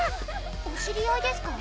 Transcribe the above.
お知り合いですか？